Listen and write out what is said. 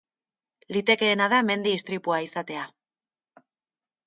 Litekeena da mendi-istripua izatea.